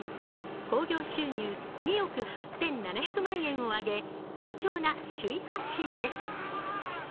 興行収入２億８７００万円を上げ好調な首位発進です。